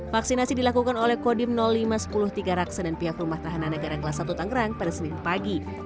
vaksinasi dilakukan oleh kodim lima ratus tiga belas raksa dan pihak rumah tahanan negara kelas satu tangerang pada senin pagi